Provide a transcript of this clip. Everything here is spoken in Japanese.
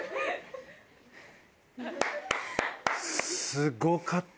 すごかった！